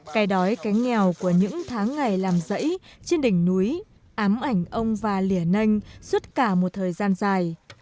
cái đói cái nghèo của những tháng ngày làm rẫy trên đỉnh núi ám ảnh ông và liền ninh suốt cả một thời gian dài